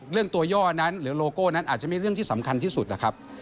เรื่องตัวย่อนั้นหรือโลโก้นั้นอาจจะมีเรื่องที่สำคัญที่สุดนะครับ